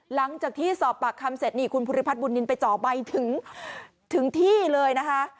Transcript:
หลังจากที่สอบปากคำเสร็จนี่คุณภูริพัฒนบุญนินไปเจาะใบถึงที่เลยนะคะ